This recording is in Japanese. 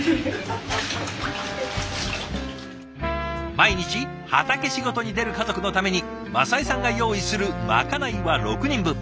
毎日畑仕事に出る家族のために政江さんが用意するまかないは６人分。